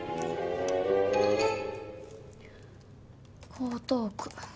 江東区。